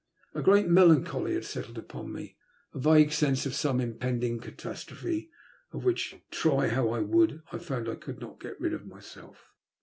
A great melan choly had settled upon me, a vague sense of some impending catastrophe, oi which, try how I would, I found I could not rid myself.